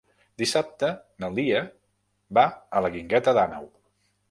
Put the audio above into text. Dissabte na Lia va a la Guingueta d'Àneu.